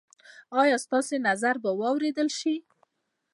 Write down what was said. ایا ستاسو نظر به واوریدل شي؟